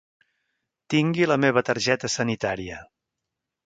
Tingui la meva targeta sanitària.